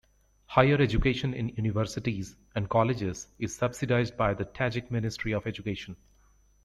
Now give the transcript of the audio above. Higher education in universities and colleges is subsidized by the Tajik Ministry of Education.